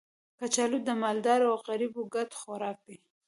کچالو د مالدارو او غریبو ګډ خوراک دی